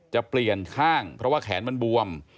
จะเปลี่ยนข้างเพราะว่าแขนมันบวม